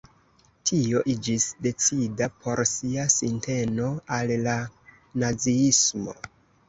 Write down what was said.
Tio iĝis decida por sia sinteno al la naziismo.